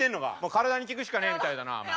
体に聞くしかねえみたいだなお前。